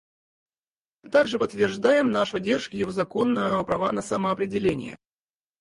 Мы также подтверждаем нашу поддержку его законного права на самоопределение.